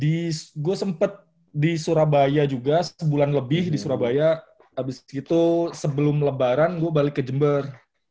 di gue sempet di surabaya juga sebulan lebih di surabaya habis itu sebelum lebaran gue balik ke jember